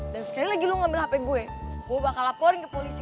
dan sekali lagi lo ngambil hp gue gue bakal laporin ke polisi